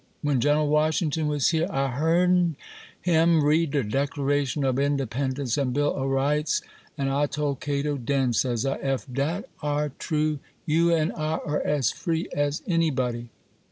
When General Washington was here, I hearn 'em read de Declaration ob Independence and Bill o' Rights; an' I tole Cato den, says I, "Ef dat ar' true, you an' I are as free as anybody."